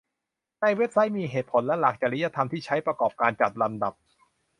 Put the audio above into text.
ในเว็บไซต์มีเหตุผลและหลักจริยธรรมที่ใช้ประกอบการจัดลำดับ